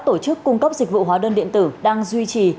tổ chức cung cấp dịch vụ hóa đơn điện tử đang duy trì